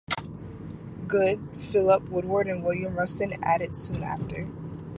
Good, Philip Woodward and William Rushton added soon after.